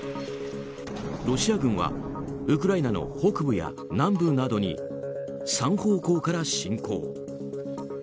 ロシア軍はウクライナの北部や南部などに３方向から侵攻。